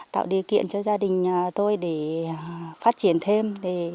tạo điều kiện cho gia đình tôi để phát triển thêm